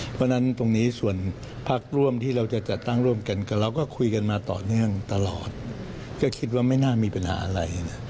เพราะฉะนั้นตรงนี้ส่วนพักร่วมที่เราจะจัดตั้งร่วมกันเราก็คุยกันมาต่อเนื่องตลอดก็คิดว่าไม่น่ามีปัญหาอะไร